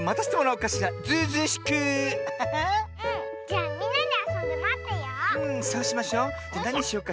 じゃみんなであそんでまってよう。